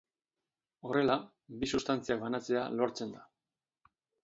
Horrela, bi sustantziak banatzea lortzen da.